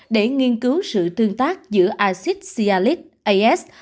để nghiên cứu sự tương tác giữa acid sialid as